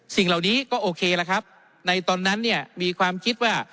สิ่งเหล่านี้ก็โอเคละครับในตอนนั้นเนี่ยมีความคิดว่า